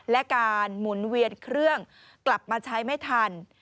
และการหมุนเวียนเครื่องกลับมาใช้ไม่ทัน